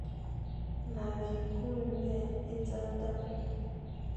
Ma vi kule mie e zal dam,